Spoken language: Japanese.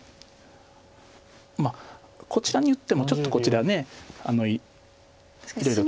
まあこちらに打ってもちょっとこちらいろいろ